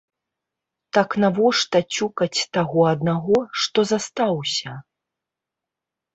Так навошта цюкаць таго аднаго, што застаўся?